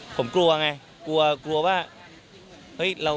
ผมกลัวไงกลัวว่า